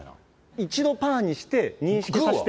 一度パーにして認識させて。